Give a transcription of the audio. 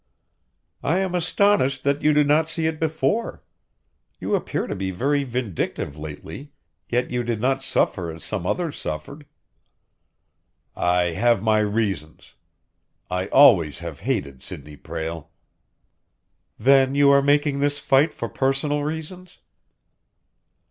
"I am astonished that you did not see it before. You appear to be very vindictive lately, yet you did not suffer as some others suffered." "I have my reasons. I always have hated Sidney Prale." "Then you are making this fight for personal reasons?"